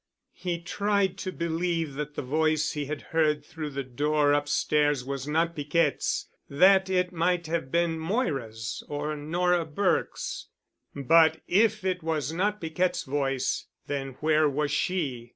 He tried to believe that the voice he had heard through the door upstairs was not Piquette's—that it might have been Moira's or Nora Burke's. But if it was not Piquette's voice, then where was she?